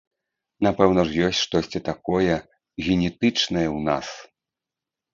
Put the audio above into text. Напэўна ж ёсць штосьці такое генетычнае ў нас?